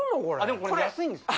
でもこれ安いんです。